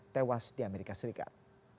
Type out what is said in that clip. tewas di amerika serikat